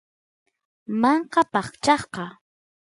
manka paqchasqa